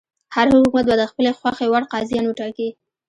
هر حکومت به د خپلې خوښې وړ قاضیان وټاکي.